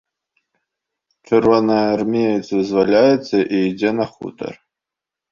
Чырвонаармеец вызваляецца і ідзе на хутар.